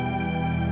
gak ada apa apa